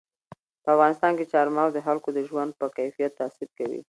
په افغانستان کې چار مغز د خلکو د ژوند په کیفیت تاثیر کوي.